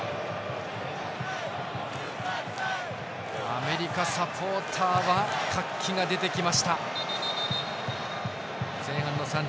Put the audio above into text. アメリカサポーターは活気が出てきました。